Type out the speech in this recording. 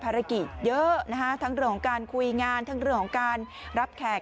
เยอะนะคะทั้งเรื่องของการคุยงานทั้งเรื่องของการรับแขก